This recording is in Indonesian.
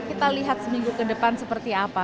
kita lihat seminggu ke depan seperti apa